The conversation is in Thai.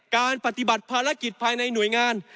การปฏิบัติภารกิจภายในหน่วยงาน